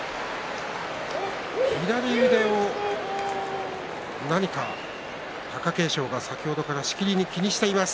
左腕を貴景勝が何か先ほどからしきりに気にしています。